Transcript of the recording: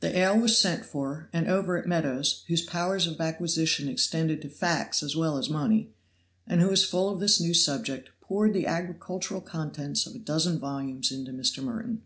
The ale was sent for, and over it Meadows, whose powers of acquisition extended to facts as well as money, and who was full of this new subject, poured the agricultural contents of a dozen volumes into Mr. Merton.